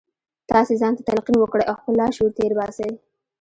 تاسې ځان ته تلقین وکړئ او خپل لاشعور تېر باسئ